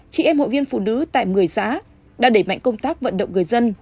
chị em hội viên phụ nữ tại một mươi xã đã đẩy mạnh công tác vận động người dân